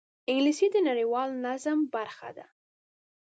انګلیسي د نړیوال نظم برخه ده